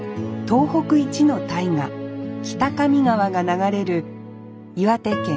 東北一の大河北上川が流れる岩手県